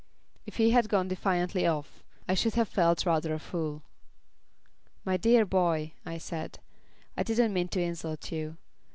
If he had gone defiantly off, I should have felt rather a fool. "My dear boy," I said, "I didn't mean to insult you.